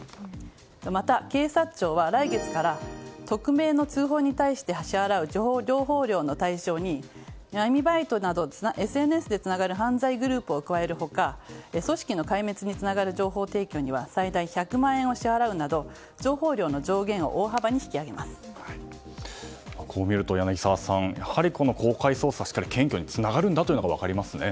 また、警察庁は来月から匿名の通報に対して支払う情報量の対象に闇バイトなどＳＮＳでつながる犯罪グループを加える他組織の壊滅につながる情報提供には最大１００万円を支払うなど情報量の上限をこう見ると、柳澤さんやはり公開捜査はしっかりと検挙につながるんだというのが分かりますね。